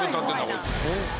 こいつ。